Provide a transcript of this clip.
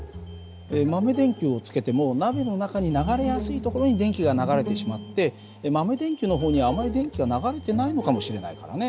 豆電球をつけても鍋の中に流れやすいところに電気が流れてしまって豆電球の方にはあまり電気は流れてないのかもしれないからね。